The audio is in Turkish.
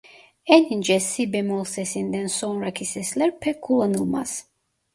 En ince Si bemol sesinden sonraki sesler pek kullanılmaz.